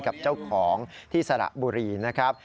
กับเจ้าของที่สระบุรีนะครับ